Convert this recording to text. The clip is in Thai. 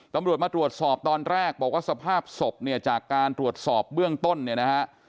ตำรวจมาตรวจสอบตอนแรกบอกว่าสภาพศพเนี่ยจากการตรวจสอบเบื้องต้นเนี่ยนะฮะ